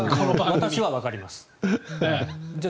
私はわかります。